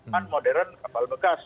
kan modern kapal bekas